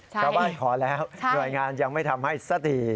ชาวบ้านขอแล้วหน่วยงานยังไม่ทำให้ซะที